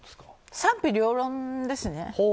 賛否両論ですね。